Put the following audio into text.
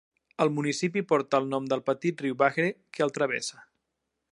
El municipi porta el nom del petit riu Bahre que el travessa.